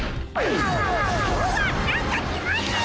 うわっなんかきますよ！